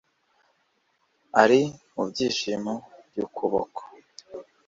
Ari mu byishimo byukuboko